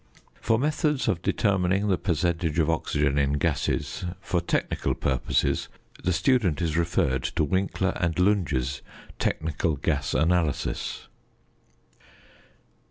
For methods of determining the percentage of oxygen in gases, for technical purposes, the student is referred to Winkler & Lunge's "Technical Gas Analysis."